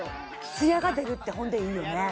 ツヤが出るってほんでいいよね